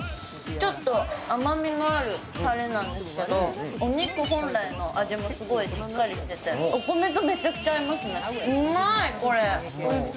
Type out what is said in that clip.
ちょっと甘みのあるタレなんですけれども、お肉本来の味もすごいしっかりとしていて、お米とめちゃくちゃ合いますね、うまい、これ。